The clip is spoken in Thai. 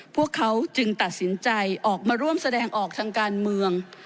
พวกเขาจึงตัดสินใจออกมาร่วมแสดงออกทางการเมือง